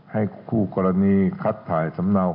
ให้คู่กรณีคัดถ่ายสำเนา